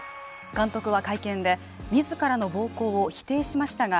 監督は会見で自らの暴行を否定しましたが